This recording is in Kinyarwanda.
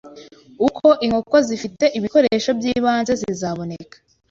uko inkoko zifite ibikoresho by’ibanze bizaboneka